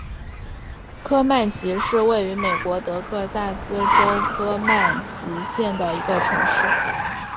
科曼奇是位于美国得克萨斯州科曼奇县的一个城市。